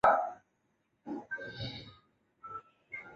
释出多达九百一十个职缺